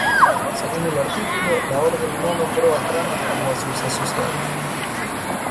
Según el artículo, la orden no nombró a Trump o a sus asociados.